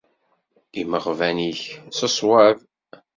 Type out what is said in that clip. Imeɣban-ik s ṣṣwab.